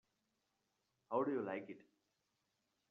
How do you like it?